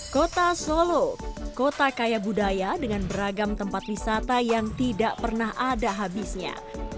kota solo kota kaya budaya dengan beragam tempat wisata yang tidak pernah ada habisnya